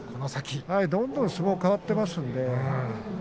どんどん相撲が変わっていますんでね。